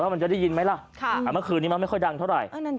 มันจะได้ยินไหมล่ะเมื่อคืนนี้มันไม่ค่อยดังเท่าไหร่